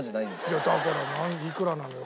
いやだからいくらなのよ？